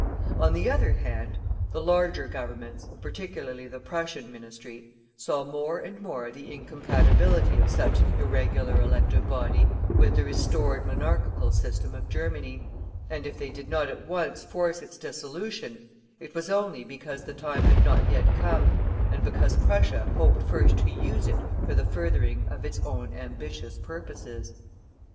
On the other hand, the larger Governments, and particularly the Prussian Ministry, saw more and more the incompatibility of such an irregular elective body with the restored monarchical system of Germany, and if they did not at once force its dissolution, it was only because the time had not yet come, and because Prussia hoped first to use it for the furthering of its own ambitious purposes.